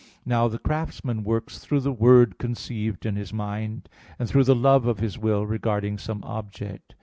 Now the craftsman works through the word conceived in his mind, and through the love of his will regarding some object.